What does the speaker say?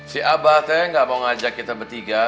si abah tuh gak mau ngajak kita bertiga